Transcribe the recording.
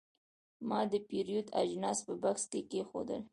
ما د پیرود اجناس په بکس کې کېښودل.